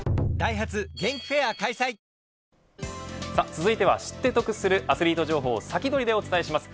続いては、知って得するアスリート情報を先取りでお伝えします